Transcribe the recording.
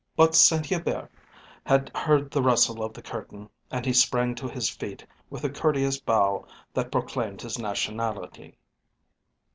But Saint Hubert had heard the rustle of the curtain, and he sprang to his feet with the courteous bow that proclaimed his nationality.